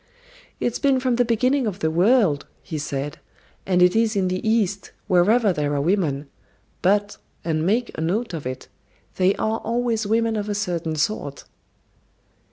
"It's been from the beginning of the world," he said, "and it is in the East, wherever there are women. But and make a note of it they are always women of a certain sort."